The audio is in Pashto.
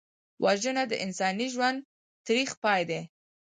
وژنه د انساني ژوند تریخ پای دی